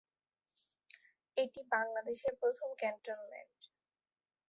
এটি বাংলাদেশের প্রথম ক্যান্টনমেন্ট।